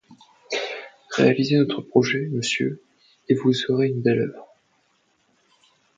Réalisez notre projet, Monsieur, et vous aurez fait une belle oeuvre.